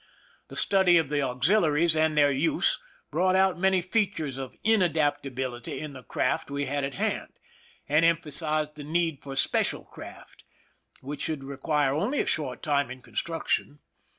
The study of the auxiliaries and their use brought out many features of inadaptability in the craft we had at hand, and emphasized the need of special craft, which should require only a short time in construc tion.